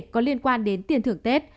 có liên quan đến tiền thưởng tết